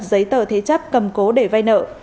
giấy tờ thế chấp cầm cố để vai nợ